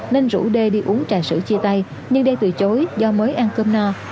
nên rủ đê đi uống trà sữa chia tay nhưng đe từ chối do mới ăn cơm no